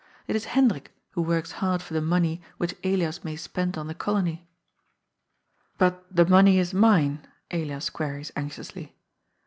It is Hendrik who works hard for the money which Elias may spend on the Colony. " But the money is mine ?" Elias queries anxiously.